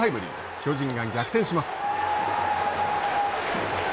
巨人が逆転します。